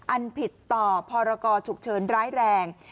อันผิดต่อพรกรฉุกเฉินร้ายแรง